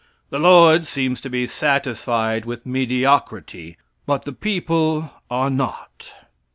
The Lord seems to be satisfied with mediocrity; but the people are not.